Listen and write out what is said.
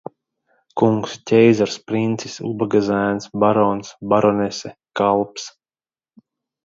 Kungs, ķeizars, princis, ubaga zēns, barons, baronese, kalps.